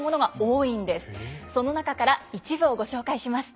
その中から一部をご紹介します。